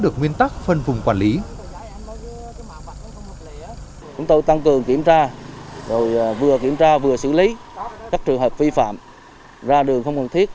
cô ta tăng cường kiểm tra vừa kiểm tra vừa xử lý các trường hợp vi phạm ra đường không cần thiết